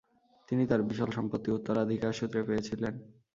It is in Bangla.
তিনি তার বিশাল সম্পত্তি উত্তরাধিকার সূত্রে পেয়েছিলেন।